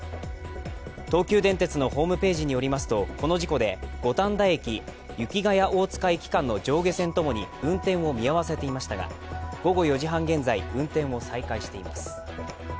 東急電鉄のホームページによりますと、この事故で五反田駅−雪が谷大塚駅間の上下線ともに運転を見合わせていましたが午後４時半現在運転を再開しています。